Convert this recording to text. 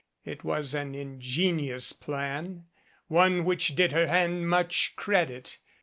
It was an ingenious plan, one which did her hand much credit.